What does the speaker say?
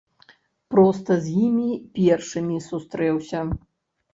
Проста з імі першымі сустрэўся.